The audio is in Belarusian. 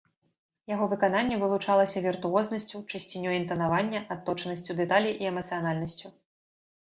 Яго выкананне вылучалася віртуознасцю, чысцінёй інтанавання, адточанасцю дэталей і эмацыянальнасцю.